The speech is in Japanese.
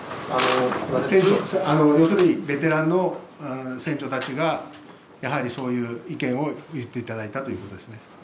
ようするにベテランの船長たちが、やはりそういう意見を言っていただいたということですね。